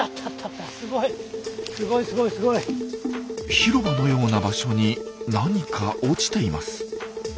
広場のような場所に何か落ちています。